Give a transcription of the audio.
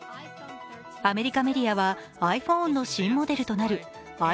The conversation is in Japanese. アメリカメディアはｉＰｈｏｎｅの新モデルとなるｉＰｈｏｎｅ